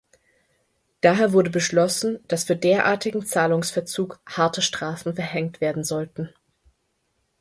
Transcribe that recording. Daher wurde beschlossen, dass für derartigen Zahlungsverzug harte Strafen verhängt werden sollten.